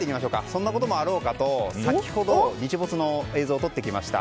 そんなこともあろうかと、先ほど日没の映像を撮ってきました。